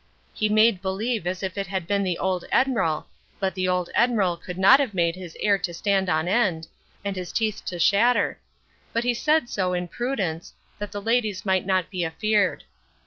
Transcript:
He made believe as if it had been the ould edmiral; but the old edmiral could not have made his air to stand on end, and his teeth to shatter; but he said so in prudence, that the ladies mought not be afear'd.